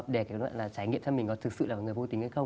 để trải nghiệm cho mình có thực sự là người vô tính hay không